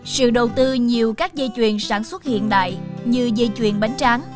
sự đầu tư nhiều các dây chuyền sản xuất hiện đại như dây chuyền bánh tráng